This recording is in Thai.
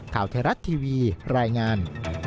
ข่าวไทยรัฐทีวีรายงาน